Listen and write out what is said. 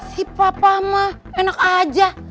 si papa mah enak aja